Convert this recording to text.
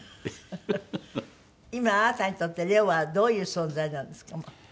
今あなたにとってレオはどういう存在なんですか？